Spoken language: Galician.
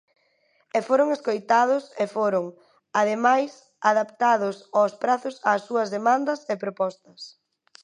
E foron escoitados e foron, ademais, adaptados os prazos ás súas demandas e propostas.